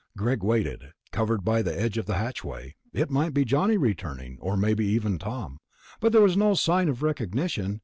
Greg waited, covered by the edge of the hatchway. It might be Johnny returning, or maybe even Tom ... but there was no sign of recognition.